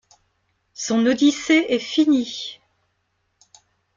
Son Odyssée est finie.